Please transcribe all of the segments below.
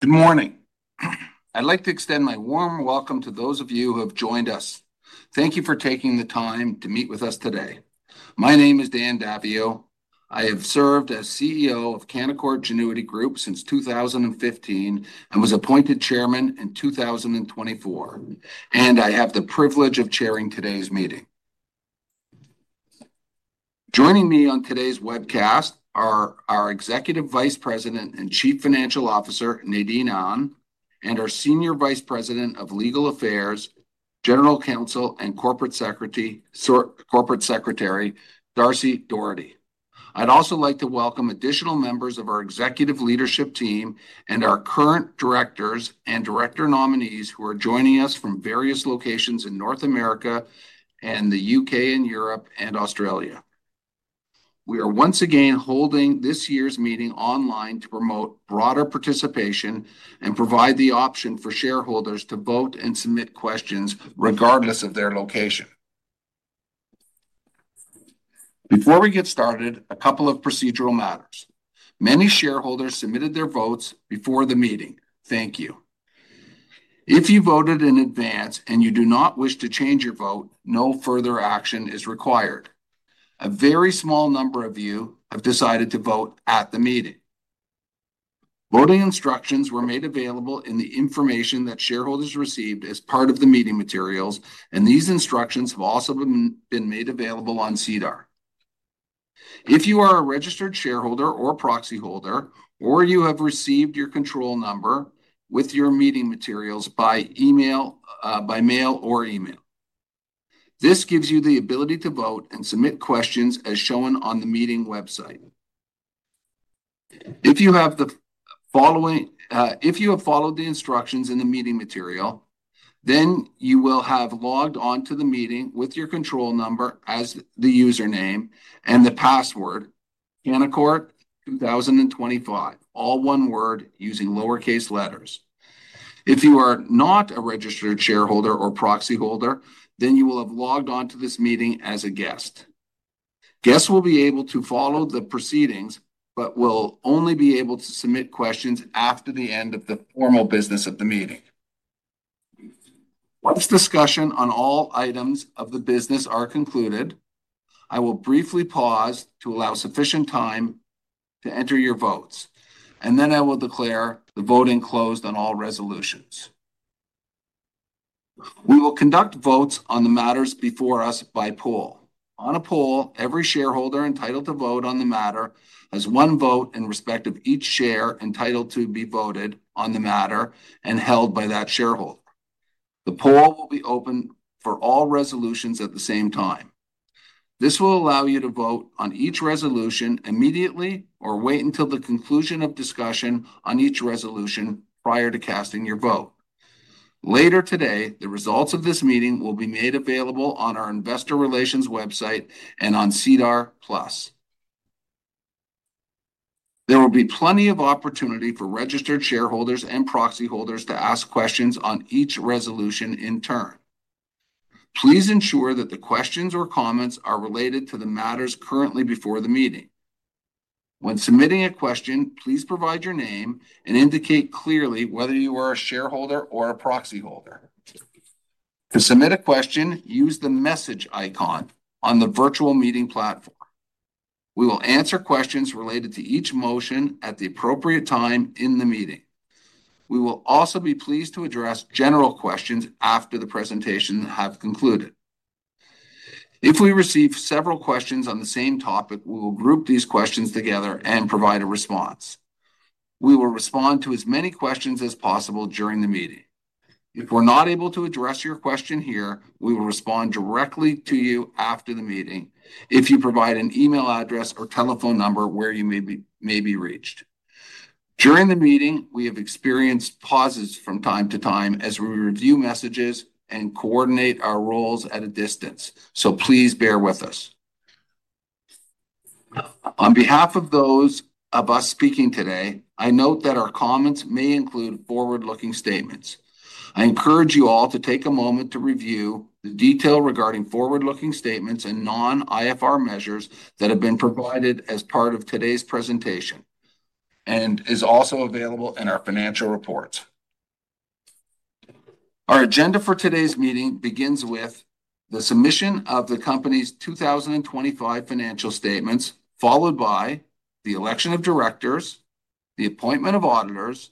Good morning. I'd like to extend my warm welcome to those of you who have joined us. Thank you for taking the time to meet with us today. My name is Dan Daviau. I have served as CEO of Canaccord Genuity Group since 2015 and was appointed Chairman in 2024. I have the privilege of chairing today's meeting. Joining me on today's webcast are our Executive Vice President and Chief Financial Officer, Nadine Ahn, and our Senior Vice President of Legal Affairs, General Counsel and Corporate Secretary, Darcy Doherty. I'd also like to welcome additional members of our executive leadership team and our current directors and director nominees who are joining us from various locations in North America, the U.K., Europe, and Australia. We are once again holding this year's meeting online to promote broader participation and provide the option for shareholders to vote and submit questions regardless of their location. Before we get started, a couple of procedural matters. Many shareholders submitted their votes before the meeting. Thank you. If you voted in advance and you do not wish to change your vote, no further action is required. A very small number of you have decided to vote at the meeting. Voting instructions were made available in the information that shareholders received as part of the meeting materials, and these instructions have also been made available on SEDAR. If you are a registered shareholder or proxy holder, or you have received your control number with your meeting materials by mail or email, this gives you the ability to vote and submit questions as shown on the meeting website. If you have followed the instructions in the meeting material, then you will have logged on to the meeting with your control number as the username and the password, canaccord2025, all one word, using lowercase letters. If you are not a registered shareholder or proxy holder, then you will have logged on to this meeting as a guest. Guests will be able to follow the proceedings, but will only be able to submit questions after the end of the formal business of the meeting. Once discussion on all items of the business is concluded, I will briefly pause to allow sufficient time to enter your votes, and then I will declare the voting closed on all resolutions. We will conduct votes on the matters before us by poll. On a poll, every shareholder entitled to vote on the matter has one vote in respect of each share entitled to be voted on the matter and held by that shareholder. The poll will be open for all resolutions at the same time. This will allow you to vote on each resolution immediately or wait until the conclusion of discussion on each resolution prior to casting your vote. Later today, the results of this meeting will be made available on our investor relations website and on SEDAR+. There will be plenty of opportunity for registered shareholders and proxy holders to ask questions on each resolution in turn. Please ensure that the questions or comments are related to the matters currently before the meeting. When submitting a question, please provide your name and indicate clearly whether you are a shareholder or a proxy holder. To submit a question, use the message icon on the virtual meeting platform. We will answer questions related to each motion at the appropriate time in the meeting. We will also be pleased to address general questions after the presentation has concluded. If we receive several questions on the same topic, we will group these questions together and provide a response. We will respond to as many questions as possible during the meeting. If we're not able to address your question here, we will respond directly to you after the meeting if you provide an email address or telephone number where you may be reached. During the meeting, we have experienced pauses from time to time as we review messages and coordinate our roles at a distance, so please bear with us. On behalf of those of us speaking today, I note that our comments may include forward-looking statements. I encourage you all to take a moment to review the detail regarding forward-looking statements and non-IFR measures that have been provided as part of today's presentation and are also available in our financial reports. Our agenda for today's meeting begins with the submission of the company's 2025 financial statements, followed by the election of directors, the appointment of auditors,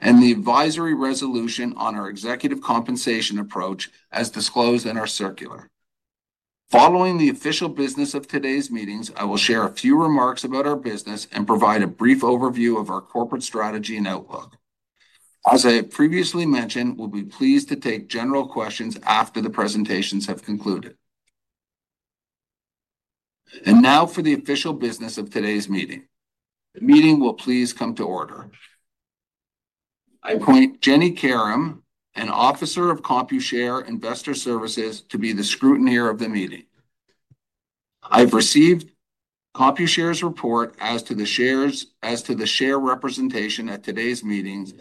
and the advisory resolution on our executive compensation approach, as disclosed in our circular. Following the official business of today's meetings, I will share a few remarks about our business and provide a brief overview of our corporate strategy and outlook. As I have previously mentioned, we'll be pleased to take general questions after the presentations have concluded. Now for the official business of today's meeting. The meeting will please come to order. I appoint Jenny Karim, an Officer of Computershare Investor Services, to be the scrutineer of the meeting. I've received Computershare's report as to the share representation at today's meetings,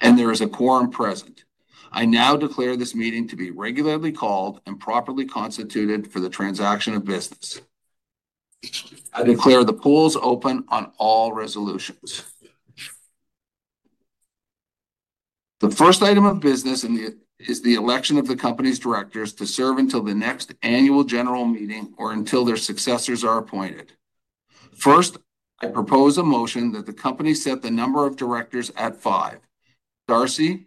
and there is a quorum present. I now declare this meeting to be regularly called and properly constituted for the transaction of business. I declare the polls open on all resolutions. The first item of business is the election of the company's directors to serve until the next annual general meeting or until their successors are appointed. First, I propose a motion that the company set the number of directors at five. Darcy,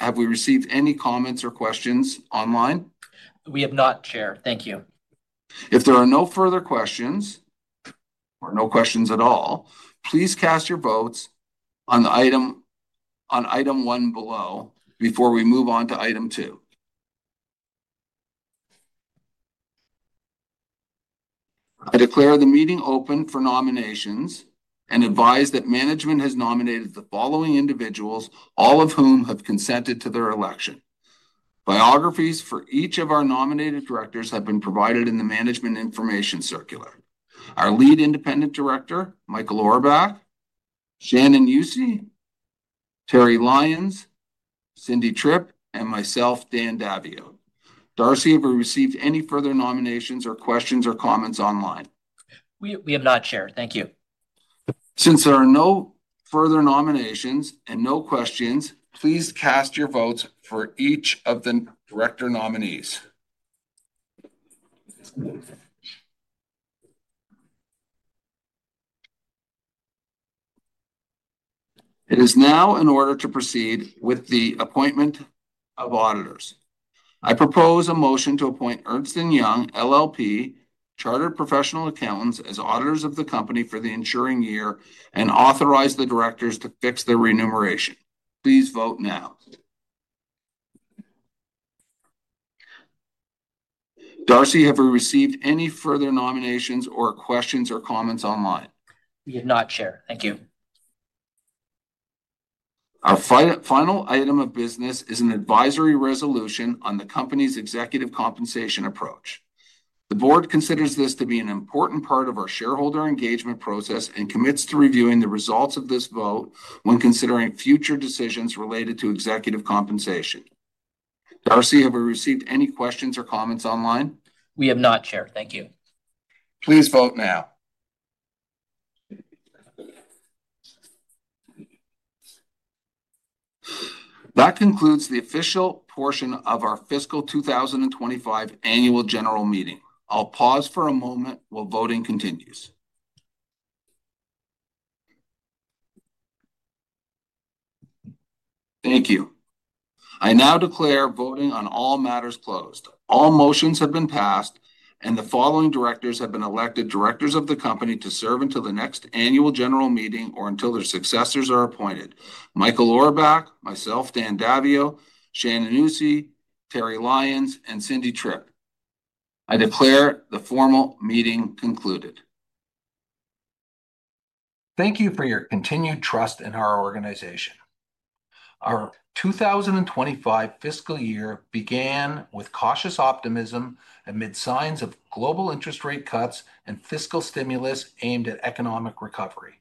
have we received any comments or questions online? We have not, Chair. Thank you. If there are no further questions or no questions at all, please cast your votes on item one below before we move on to item two. I declare the meeting open for nominations and advise that management has nominated the following individuals, all of whom have consented to their election. Biographies for each of our nominated directors have been provided in the management information circular. Our Lead Independent Director, Michael Orbach, Shannon Eusey, Terry Lyons, Cindy Tripp, and myself, Dan Daviau. Darcy, have we received any further nominations or questions or comments online? We have not, Chair. Thank you. Since there are no further nominations and no questions, please cast your votes for each of the director nominees. It is now in order to proceed with the appointment of auditors. I propose a motion to appoint Ernst & Young LLP Chartered Professional Accountants as auditors of the company for the ensuing year and authorize the directors to fix their remuneration. Please vote now. Darcy, have we received any further nominations or questions or comments online? We have not, Chair. Thank you. Our final item of business is an advisory resolution on the company's executive compensation approach. The Board considers this to be an important part of our shareholder engagement process and commits to reviewing the results of this vote when considering future decisions related to executive compensation. Darcy, have we received any questions or comments online? We have not, Chair. Thank you. Please vote now. That concludes the official portion of our fiscal 2025 annual general meeting. I'll pause for a moment while voting continues. Thank you. I now declare voting on all matters closed. All motions have been passed, and the following directors have been elected directors of the company to serve until the next annual general meeting or until their successors are appointed: Michael Orbach, myself, Dan Daviau, Shannon Eusey, Terry Lyons, and Cindy Tripp. I declare the formal meeting concluded. Thank you for your continued trust in our organization. Our 2025 fiscal year began with cautious optimism amid signs of global interest rate cuts and fiscal stimulus aimed at economic recovery.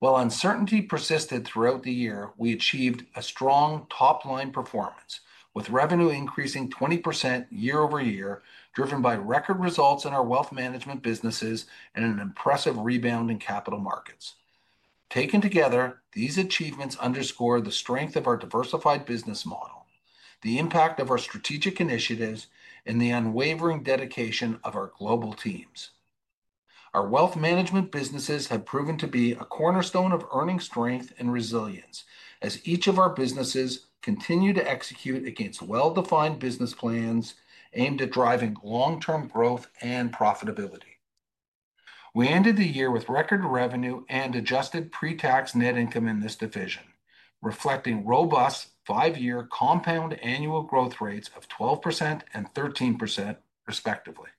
While uncertainty persisted throughout the year, we achieved a strong top-line performance, with revenue increasing 20% year-over-year, driven by record results in our wealth management businesses and an impressive rebound in capital markets. Taken together, these achievements underscore the strength of our diversified business model, the impact of our strategic initiatives, and the unwavering dedication of our global teams. Our wealth management businesses have proven to be a cornerstone of earning strength and resilience, as each of our businesses continues to execute against well-defined business plans aimed at driving long-term growth and profitability. We ended the year with record revenue and adjusted pre-tax net income in this division, reflecting robust five-year compound annual growth rates of 12% and 13%, respectively.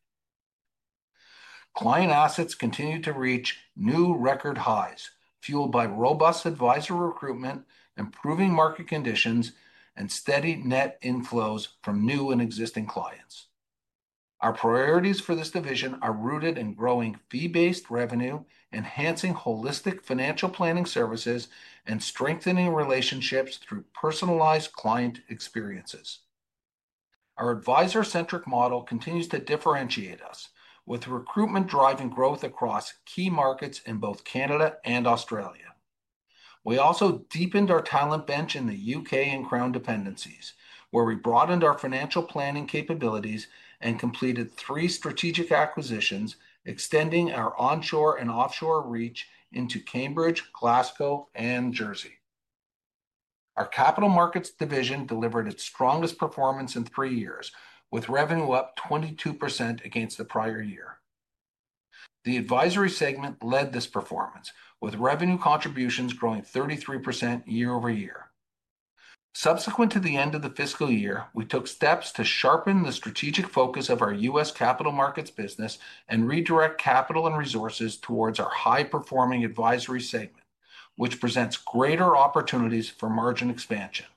Client assets continue to reach new record highs, fueled by robust advisor recruitment, improving market conditions, and steady net inflows from new and existing clients. Our priorities for this division are rooted in growing fee-based revenue, enhancing holistic financial planning services, and strengthening relationships through personalized client experiences. Our advisor-centric model continues to differentiate us, with recruitment driving growth across key markets in both Canada and Australia. We also deepened our talent bench in the U.K. and Crown dependencies, where we broadened our financial planning capabilities and completed three strategic acquisitions, extending our onshore and offshore reach into Cambridge, Glasgow, and Jersey. Our capital markets division delivered its strongest performance in three years, with revenue up 22% against the prior year. The advisory segment led this performance, with revenue contributions growing 33% year-over-year. Subsequent to the end of the fiscal year, we took steps to sharpen the strategic focus of our U.S. capital markets business and redirect capital and resources towards our high-performing advisory segment, which presents greater opportunities for margin expansion.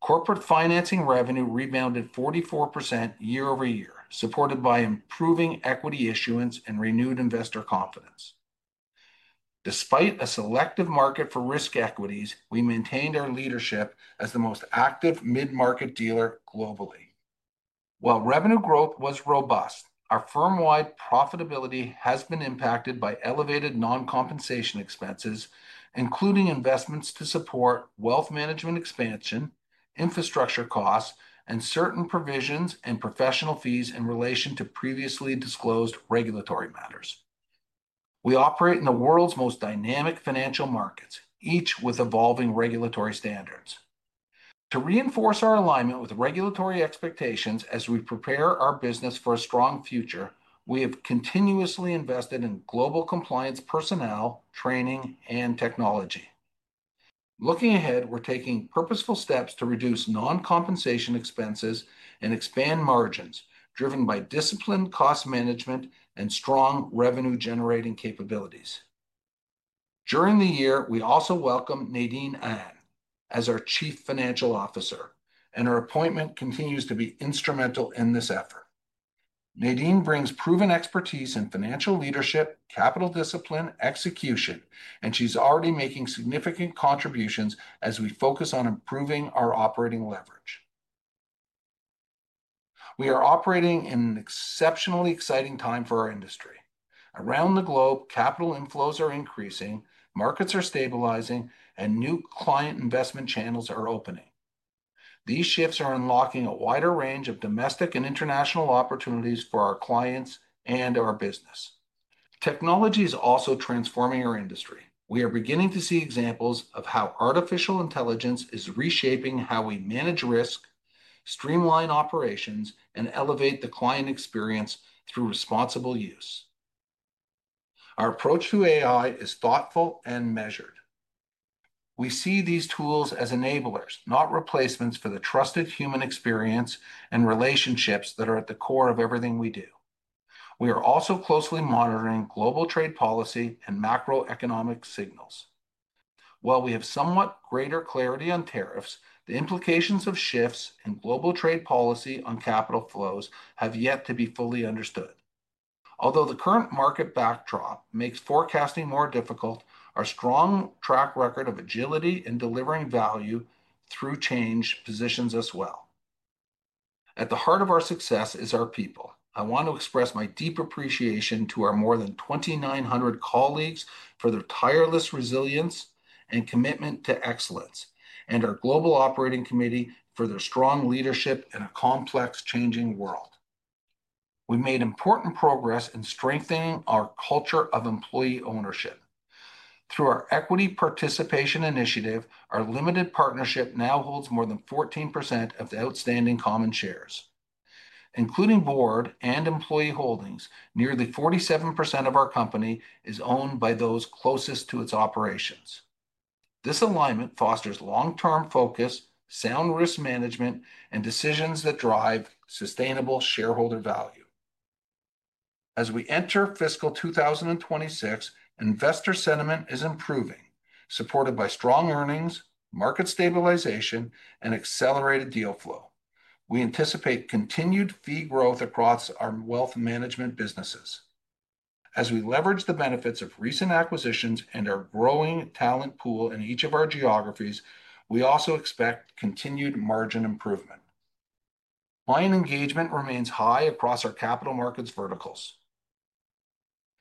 Corporate financing revenue rebounded 44% year-over-year, supported by improving equity issuance and renewed investor confidence. Despite a selective market for risk equities, we maintained our leadership as the most active mid-market dealer globally. While revenue growth was robust, our firm-wide profitability has been impacted by elevated non-compensation expenses, including investments to support wealth management expansion, infrastructure costs, and certain provisions and professional fees in relation to previously disclosed regulatory matters. We operate in the world's most dynamic financial markets, each with evolving regulatory standards. To reinforce our alignment with regulatory expectations as we prepare our business for a strong future, we have continuously invested in global compliance personnel, training, and technology. Looking ahead, we're taking purposeful steps to reduce non-compensation expenses and expand margins, driven by disciplined cost management and strong revenue-generating capabilities. During the year, we also welcomed Nadine Ahn as our Chief Financial Officer, and her appointment continues to be instrumental in this effort. Nadine brings proven expertise in financial leadership, capital discipline, and execution, and she's already making significant contributions as we focus on improving our operating leverage. We are operating in an exceptionally exciting time for our industry. Around the globe, capital inflows are increasing, markets are stabilizing, and new client investment channels are opening. These shifts are unlocking a wider range of domestic and international opportunities for our clients and our business. Technology is also transforming our industry. We are beginning to see examples of how artificial intelligence is reshaping how we manage risk, streamline operations, and elevate the client experience through responsible use. Our approach to AI is thoughtful and measured. We see these tools as enablers, not replacements, for the trusted human experience and relationships that are at the core of everything we do. We are also closely monitoring global trade policy and macroeconomic signals. While we have somewhat greater clarity on tariffs, the implications of shifts in global trade policy on capital flows have yet to be fully understood. Although the current market backdrop makes forecasting more difficult, our strong track record of agility in delivering value through change positions us well. At the heart of our success is our people. I want to express my deep appreciation to our more than 2,900 colleagues for their tireless resilience and commitment to excellence, and our Global Operating Committee for their strong leadership in a complex, changing world. We've made important progress in strengthening our culture of employee ownership. Through our equity participation initiative, our limited partnership now holds more than 14% of the outstanding common shares. Including board and employee holdings, nearly 47% of our company is owned by those closest to its operations. This alignment fosters long-term focus, sound risk management, and decisions that drive sustainable shareholder value. As we enter fiscal 2026, investor sentiment is improving, supported by strong earnings, market stabilization, and accelerated deal flow. We anticipate continued fee growth across our wealth management businesses. As we leverage the benefits of recent acquisitions and our growing talent pool in each of our geographies, we also expect continued margin improvement. Client engagement remains high across our capital markets verticals.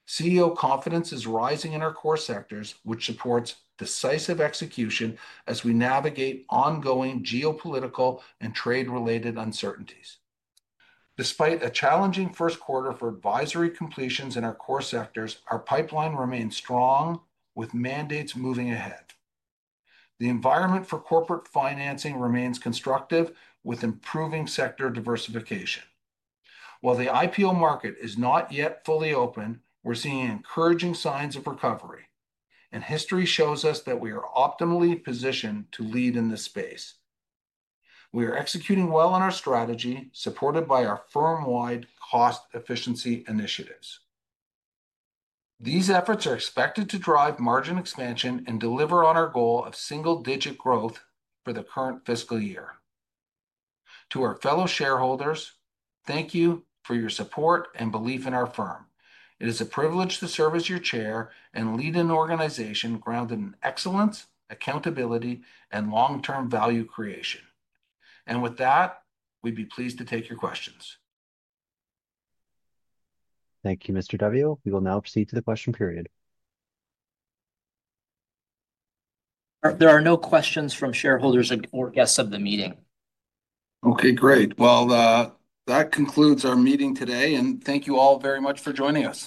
CEO confidence is rising in our core sectors, which supports decisive execution as we navigate ongoing geopolitical and trade-related uncertainties. Despite a challenging first quarter for advisory completions in our core sectors, our pipeline remains strong, with mandates moving ahead. The environment for corporate financing remains constructive, with improving sector diversification. While the IPO market is not yet fully open, we're seeing encouraging signs of recovery, and history shows us that we are optimally positioned to lead in this space. We are executing well on our strategy, supported by our firm-wide cost efficiency initiatives. These efforts are expected to drive margin expansion and deliver on our goal of single-digit growth for the current fiscal year. To our fellow shareholders, thank you for your support and belief in our firm. It is a privilege to serve as your Chair and lead an organization grounded in excellence, accountability, and long-term value creation. With that, we'd be pleased to take your questions. Thank you, Mr. Daviau. We will now proceed to the question period. There are no questions from shareholders or guests of the meeting. Okay, great. That concludes our meeting today, and thank you all very much for joining us.